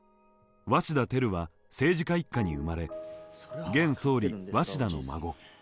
鷲田照は政治家一家に生まれ現総理鷲田の孫。